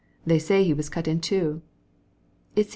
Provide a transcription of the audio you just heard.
"They say he was cut in two pieces."